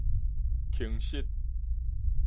窮實